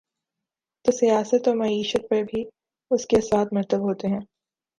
تو سیاست ومعیشت پر بھی اس کے اثرات مرتب ہوتے ہیں۔